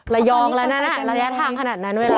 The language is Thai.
ระยองแล้วนะระยะทางขนาดนั้นเวลา